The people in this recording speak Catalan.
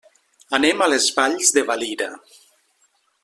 Anem a les Valls de Valira.